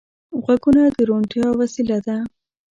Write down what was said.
غوږونه د روڼتیا وسیله ده